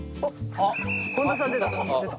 本田さん出た。